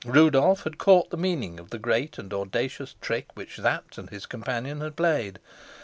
Rudolf had caught the meaning of the great and audacious trick which Sapt and his companion had played.